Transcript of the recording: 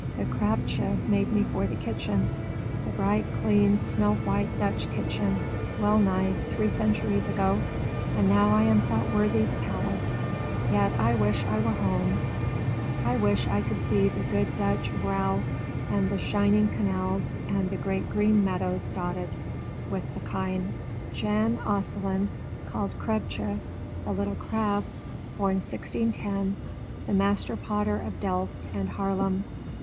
"The Krabbetje made me for the kitchen, the bright, clean, snow white Dutch kitchen, well nigh three centuries ago, and now I am thought worthy the palace; yet I wish I were at home; yes, I wish I could see the good Dutch vrouw, and the shining canals, and the great green meadows dotted with the kine." [Footnote 1: Jan Asselyn, called Krabbetje, the Little Crab, born 1610, master potter of Delft and Haarlem.